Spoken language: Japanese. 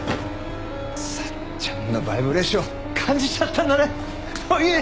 幸ちゃんのバイブレーション感じちゃったんだね！